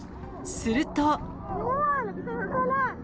すると。